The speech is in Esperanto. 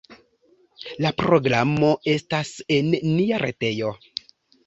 La programo estas en nia retejo.